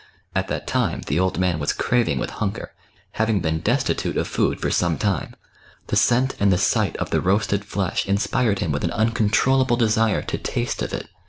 At that time the old man was craving with hunger,, having been destitute of food for some time. The scent and the sight of the roasted flesh inspired him with an uncontrollable desire to taste of it.